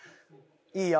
いいよ！